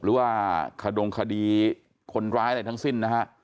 หรือว่าขดงคดีคนร้ายอะไรทั้งสิ้นนะฮะ